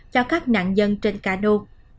cho các nạn dân trên ca nô